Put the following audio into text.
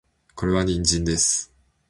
これは人参です